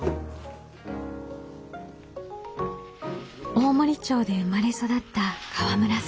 大森町で生まれ育った河村さん。